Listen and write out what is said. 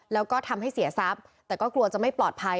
แล้วก็ทำให้เสียทรัพย์แต่ก็กลัวจะไม่ปลอดภัย